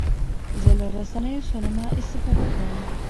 زه له رسنیو سالمه استفاده کوم.